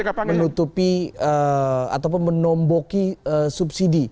karena menutupi ataupun menomboki subsidi